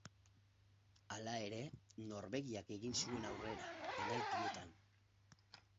Hala ere, Norvegiak egin zuen aurrera, penaltietan.